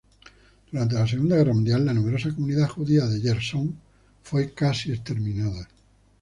Durante la segunda guerra mundial la numerosa comunidad judía de Jersón fue casi exterminada.